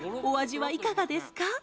お味はいかがですか？